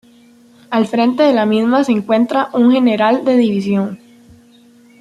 Al frente de la misma se encuentra un general de división.